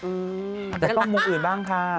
อืมแต่กล้องมุมอื่นบ้างค่ะ